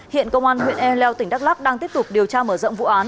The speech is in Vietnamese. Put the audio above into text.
hiện công an huyện e leo tỉnh đắk lắc đang tiếp tục điều tra mở rộng vụ án